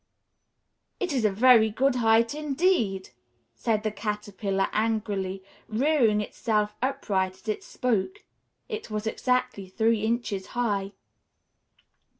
"It is a very good height indeed!" said the Caterpillar angrily, rearing itself upright as it spoke (it was exactly three inches high).